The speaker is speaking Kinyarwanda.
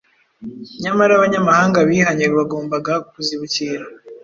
Nyamara Abanyamahanga bihanye bagombaga kuzibukira